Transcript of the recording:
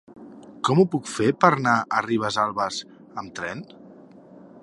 Com ho puc fer per anar a Ribesalbes amb tren?